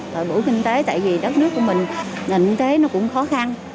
tại bộ kinh tế tại vì đất nước của mình nền kinh tế nó cũng khó khăn